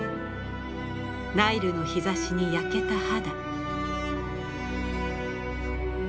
ナイルの日ざしに焼けた肌。